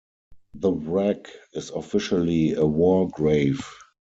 The wreck is officially a war grave.